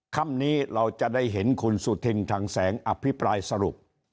ค่ำนี้เราจะได้เห็นคุณสุธินทางแสงอภิปรายสรุป